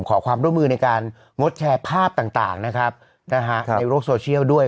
ขอความร่วมมือในการงดแชร์ภาพต่างนะครับในโลกโซเชียลด้วย